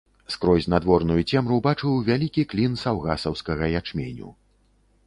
Скрозь надворную цемру бачыў вялікі клін саўгасаўскага ячменю.